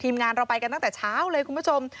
มาพูดดินกันตั้งแต่เช้าเลยคุณผู้ชม